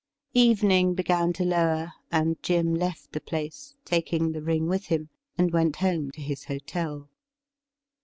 Evening began to lower, and Jim left the place, taking the ring with him, and went home to his hotel.